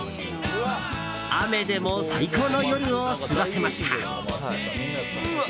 雨でも最高の夜を過ごせました。